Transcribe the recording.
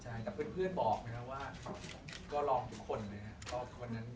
ใช่แต่เพื่อนบอกนะครับว่าก็ร้องทุกคนนะครับ